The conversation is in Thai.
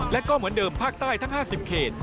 และก็เหมือนเดิมภาคใต้ทั้ง๕๐เขต